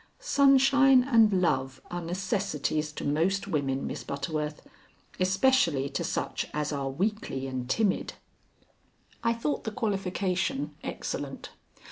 Sunshine and love are necessities to most women, Miss Butterworth, especially to such as are weakly and timid." I thought the qualification excellent.